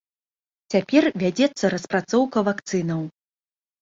Цяпер вядзецца распрацоўка вакцынаў.